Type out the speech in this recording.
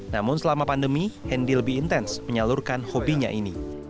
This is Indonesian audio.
namun selama pandemi hendy lebih intens menyalurkan hobinya ini